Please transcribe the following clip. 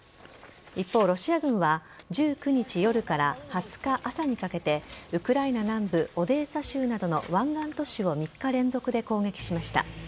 一方、ロシア軍は１９日夜から２０日朝にかけてウクライナ南部オデーサ州などの湾岸都市を３日連続で攻撃しました。